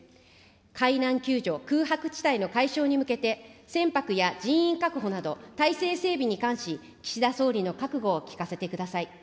海難救助空白地帯の解消に向けて、船舶や人員確保など、体制整備に関し、岸田総理の覚悟を聞かせてください。